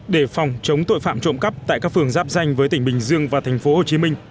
để phòng chống tội phạm trộm cắp tại các phường giáp danh với tỉnh bình dương và thành phố hồ chí minh